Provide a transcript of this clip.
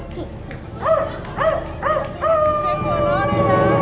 เสียงหัวหน้าด้วยนะ